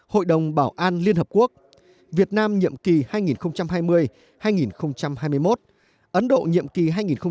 hội đồng bảo an liên hợp quốc việt nam nhiệm kỳ hai nghìn hai mươi hai nghìn hai mươi một ấn độ nhiệm kỳ hai nghìn hai mươi hai nghìn hai mươi một